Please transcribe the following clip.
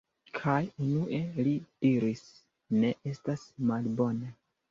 Kaj unue li diris: "Ne estas malbone".